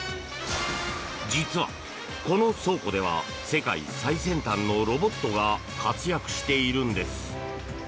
実は、この倉庫では世界最先端のロボットが活躍しているんです。